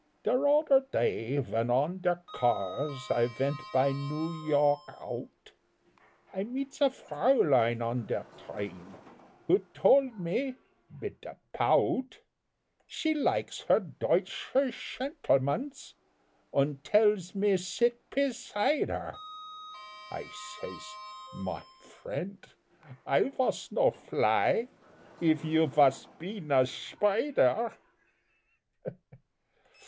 Der oder day, vhen on der cars I vent by Nie Yorck oudt, I meets a fraulein on der train, Who dold me, mit a pout, She likes der Deutscher shentlemans Und dells me sit peside her I says: "Mine friendt, I vas no fly, Eef you vas peen a shpider."